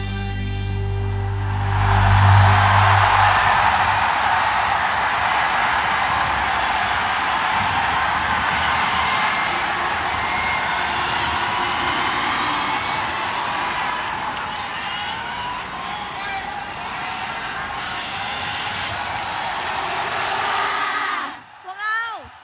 เงินมากขอบคุณนะครับ